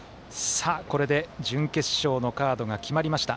これで、準決勝のカードが決まりました。